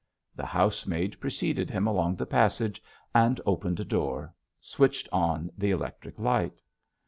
The housemaid preceded him along the passage, and opened a door, switched on the electric light.